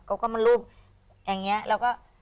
เขาก็มารูปอย่างนี้แล้วก็